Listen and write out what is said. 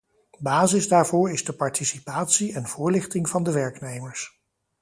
Basis daarvoor is de participatie en voorlichting van de werknemers.